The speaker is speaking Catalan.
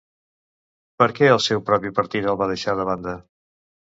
Per què el seu propi partit el va deixar de banda?